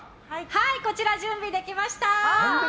こちら、準備できました！